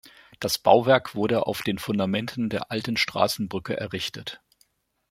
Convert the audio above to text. Das Bauwerk wurde auf den Fundamenten der alten Straßenbrücke errichtet.